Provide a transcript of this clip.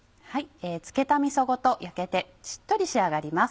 漬けたみそごと焼けてしっとり仕上がります。